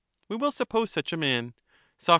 We will suppose such a man. Soc.